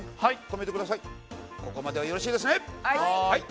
はい。